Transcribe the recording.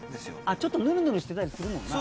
ちょっとぬるぬるしてたりするもんな。